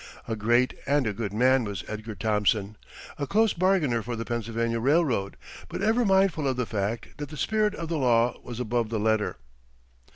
A great and a good man was Edgar Thomson, a close bargainer for the Pennsylvania Railroad, but ever mindful of the fact that the spirit of the law was above the letter.